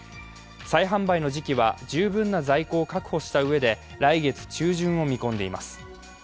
再販売の時期は十分な在庫を確保したうえで来月中旬を見込んでいます。